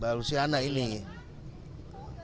selain lusiana nanti ya ada yang nama apa